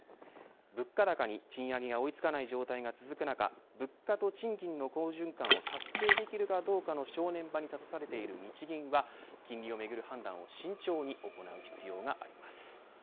物価高に賃上げが追いつかない状態が続く中物価と賃金の好循環を達成できるかどうかの正念場に立たされている日銀は金利をめぐる判断に慎重に行う必要があります。